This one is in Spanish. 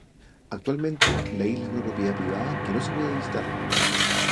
Actualmente, la isla es una propiedad privada que no se puede visitar.